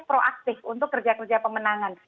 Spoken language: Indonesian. proaktif untuk kerja kerja pemenangan